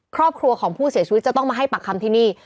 ครอบครัวของผู้เสียชีวิตจะต้องมาให้ปากคำที่นี่